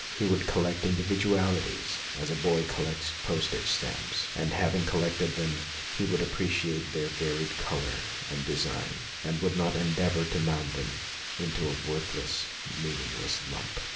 He would collect indi vidualities as a boy collects postage stamps, and having collected them he would appre ciate their varied colour and design, and would not endeavour to mould them into a worthless, meaningless lump.